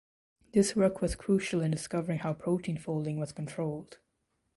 This work was crucial in discovering how protein folding was controlled.